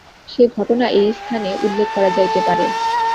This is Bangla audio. সে ঘটনা এই স্থানে উল্লেখ করা যাইতে পারে।